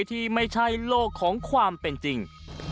ที่ไม่ใช่โลกของความเป็นจริง